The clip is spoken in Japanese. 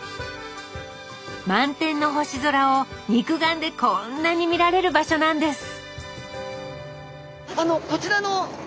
満天の星空を肉眼でこんなに見られる場所なんです。